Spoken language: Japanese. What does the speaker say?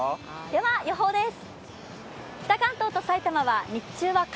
では予報です。